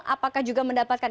apakah juga mendapatkan